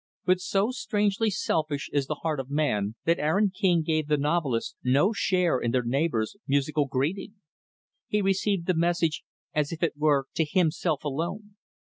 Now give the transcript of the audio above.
But so strangely selfish is the heart of man, that Aaron King gave the novelist no share in their neighbor's musical greeting. He received the message as if it were to himself alone.